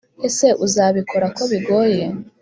Ese uzabikora kobigoye.